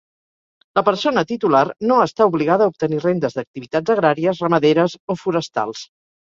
La persona titular no està obligada a obtenir rendes d'activitats agràries, ramaderes o forestals.